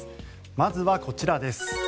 まずはこちらです。